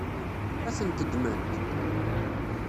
Ad tent-ddment?